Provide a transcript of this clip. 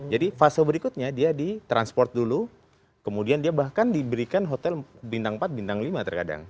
jadi fase berikutnya dia di transport dulu kemudian dia bahkan diberikan hotel bintang empat bintang lima terkadang